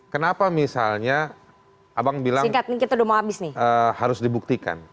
kenapa misalnya abang bilang harus dibuktikan